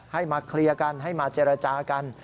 ให้มาเคลียร์กันให้มาเจรจากัน